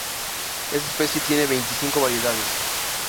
Esta especie tiene veinticinco variedades.